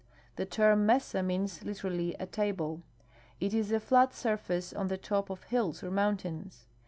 The term mesa means, literally, a table. It is a flat surface on the top of hills or mountains.